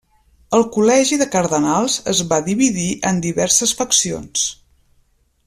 El Col·legi de Cardenals es va dividir en diverses faccions.